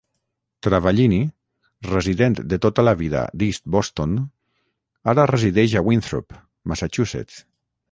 Travaglini, resident de tota la vida d'East Boston, ara resideix a Winthrop, Massachusetts.